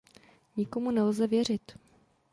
Nikomu nelze věřit.